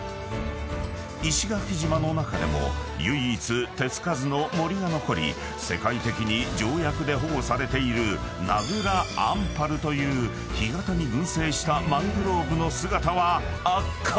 ［石垣島の中でも唯一手付かずの森が残り世界的に条約で保護されている名蔵アンパルという干潟に群生したマングローブの姿は圧巻！］